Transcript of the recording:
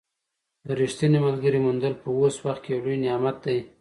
د ریښتیني ملګري موندل په اوس وخت کې یو لوی نعمت دی.